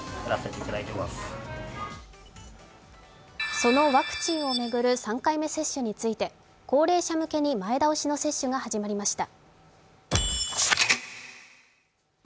そのワクチンを巡る３回目接種について高齢者向けに前倒しの接種が始まりました。